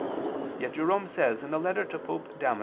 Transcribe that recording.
Yet Jerome says in a letter to Pope Damasus [*Cf.